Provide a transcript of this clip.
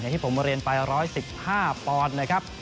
อย่างที่ผมมาเรียนฝ่าย๑๑๕ปอนด์นะครับ